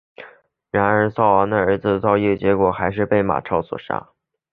然而赵昂的儿子赵月结果还是被马超所杀。